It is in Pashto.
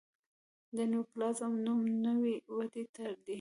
د نیوپلازم نوم نوي ودې ته دی.